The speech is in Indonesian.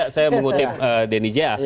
saya mengutip denny jaya